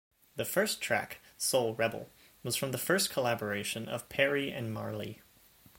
The first track, "Soul Rebel", was from the first collaboration of Perry and Marley.